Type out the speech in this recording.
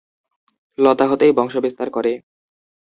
লতা হতেই বংশ বিস্তার করে।